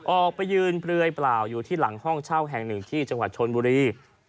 ออกไปยืนเปลือยเปล่าอยู่ที่หลังห้องเช่าแห่งหนึ่งที่จังหวัดชนบุรี